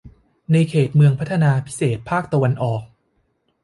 เมืองในเขตพัฒนาพิเศษภาคตะวันออก